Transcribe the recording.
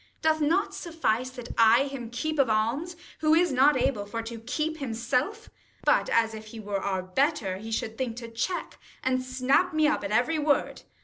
Doth't not suffice that I him keep of alms, 5 Who is not able for to keep himself ? But as if he were our better, he should think To check and snap me up at every word.